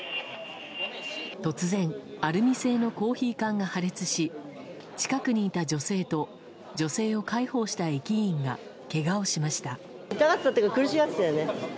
突然アルミ製のコーヒー缶が破裂し、近くにいた女性と女性を介抱した駅員がけがをしました。